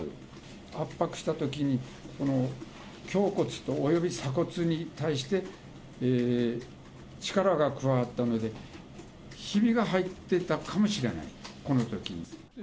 圧迫したときに、この胸骨および鎖骨に対して力が加わったので、ひびが入ってたかもしれない、このときに。